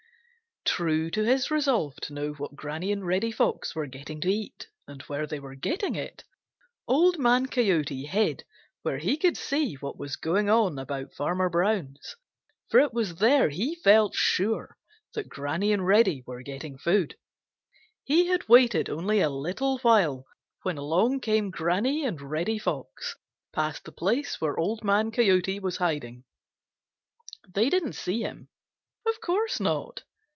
True to his resolve to know what Granny and Reddy Fox were getting to eat, and where they were getting it, Old Man Coyote hid where he could see what was going on about Farmer Brown's, for it was there he felt sure that Granny and Reddy were getting food. He had waited only a little while when along came Granny and Reddy Fox past the place where Old Man Coyote was hiding. They didn't see him. Of course not.